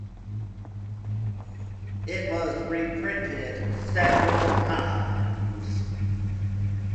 It was reprinted several times.